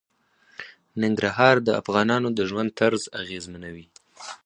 ننګرهار د افغانانو د ژوند طرز اغېزمنوي.